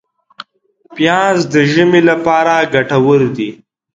پیاز د ژمي لپاره ګټور دی